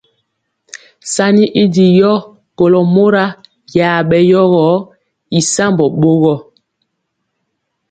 Sanni y ndi yɔ kolo mora ya bɛ yogɔ y sambɔ bɔɔgɔ.